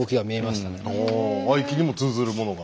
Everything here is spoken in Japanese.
合気にも通ずるものが。